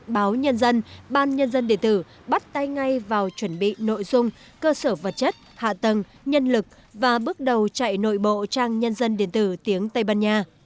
báo nhân dân ban nhân dân điện tử bắt tay ngay vào chuẩn bị nội dung cơ sở vật chất hạ tầng nhân lực và bước đầu chạy nội bộ trang nhân dân điện tử tiếng tây ban nha